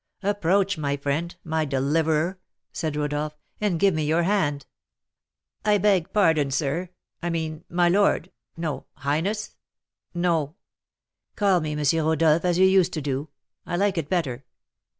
"Approach, my friend, my deliverer!" said Rodolph, "and give me your hand." "I beg pardon, sir, I mean, my lord, no, highness, no " "Call me M. Rodolph, as you used to do; I like it better."